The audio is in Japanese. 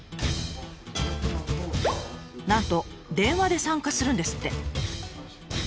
なんと電話で参加するんですって。